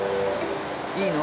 いいの？